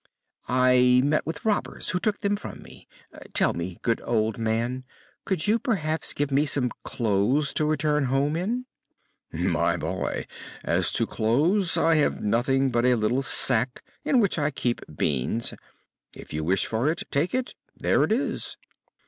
"I met with robbers, who took them from me. Tell me, good old man, could you perhaps give me some clothes to return home in?" "My boy, as to clothes, I have nothing but a little sack in which I keep beans. If you wish for it, take it; there it is."